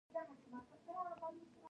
په افغانستان کې بادام شتون لري.